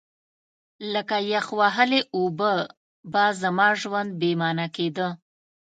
لکه یخ وهلې اوبه به زما ژوند بې مانا کېده.